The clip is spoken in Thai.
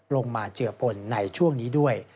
มาเจือปนในช่วงนี้ด้วย